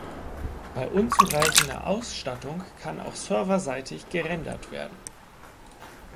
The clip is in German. Bei unzureichender Ausstattung kann auch serverseitig gerendert werden.